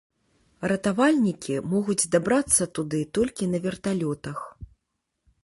Ратавальнікі могуць дабрацца туды толькі на верталётах.